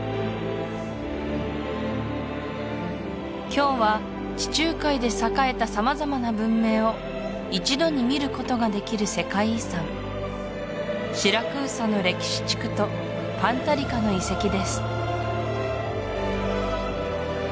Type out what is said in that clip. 今日は地中海で栄えた様々な文明を一度に見ることができる世界遺産シラクーサの歴史地区とパンタリカの遺跡です